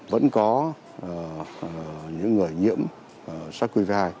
vẫn có những người nhiễm sars cov hai